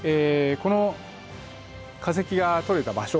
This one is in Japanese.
この化石が採れた場所